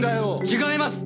違います！